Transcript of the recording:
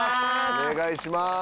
お願いします。